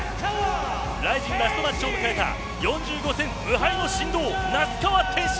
ＲＩＺＩＮラストマッチを迎えた４５戦無敗の神童・那須川天心。